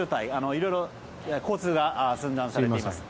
色々、交通が寸断されています。